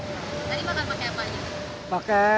tadi makan pakai apa aja